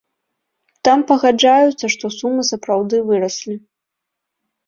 Там пагаджаюцца, што сумы сапраўды выраслі.